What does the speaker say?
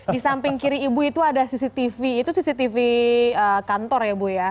di samping kiri ibu itu ada cctv itu cctv kantor ya bu ya